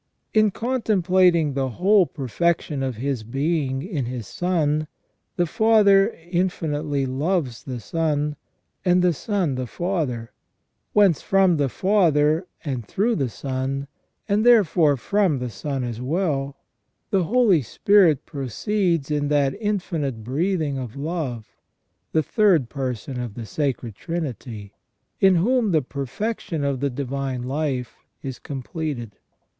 In contemplating the whole perfection of His Being in His Son, the Father infinitely loves the Son, and the Son the Father ; whence from the Father, and through the Son, and "therefore from the Son as well, the Holy Spirit proceeds in that infinite breathing of love, the third Person of the Sacred Trinity, in whom the perfection of the divine life is completed.